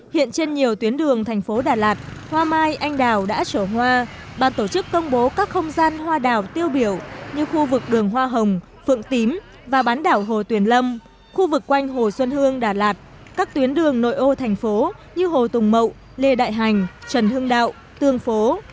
hiện trên nhiều tuyến đường thành phố đà lạt hoa mai anh đào đã trổ hoa ban tổ chức công bố các không gian hoa đào tiêu biểu như khu vực đường hoa hồng phượng tím và bán đảo hồ tuyền lâm khu vực quanh hồ xuân hương đà lạt các tuyến đường nội ô thành phố như hồ tùng mậu lê đại hành trần hưng đạo tương phố